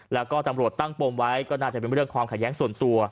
แล้วก็ตำรวจตั้งปมไว้ก็น่าจะเป็นเรื่องความขัดแย้งส่วนตัว